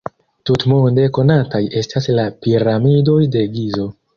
Tutmonde konataj estas la Piramidoj de Gizo.